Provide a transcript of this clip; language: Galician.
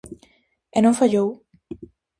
E non fallou.